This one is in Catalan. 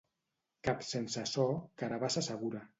Cap sense so, carabassa segura.